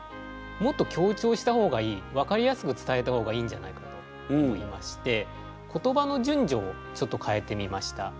もっと強調した方がいい分かりやすく伝えた方がいいんじゃないかと思いまして言葉の順序をちょっとかえてみました。